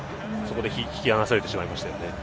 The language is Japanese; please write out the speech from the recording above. そこで引き離されてしまいましたよね。